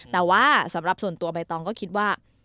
แต่ว่าสำหรับส่วนตัวใบตองก็คิดว่า